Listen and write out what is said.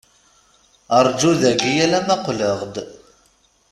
Rju dayi alamma qqleɣ-d.